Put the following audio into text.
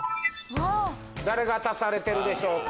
誰が足されてるでしょうか？